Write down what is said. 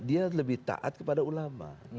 dia lebih taat kepada ulama